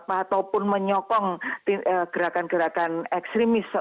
ataupun menyokong gerakan gerakan ekstremis